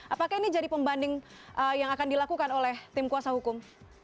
apakah ini jadi pembanding yang akan dilakukan oleh tim kuasa hukum